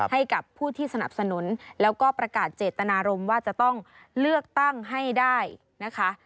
ให้กับผู้ที่สนับสนุนแล้วก็ประกาศเจตนารมณ์ว่าจะต้องเลือกตั้งให้ได้นะคะ